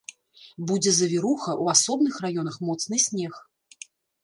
Будзе завіруха, у асобных раёнах моцны снег.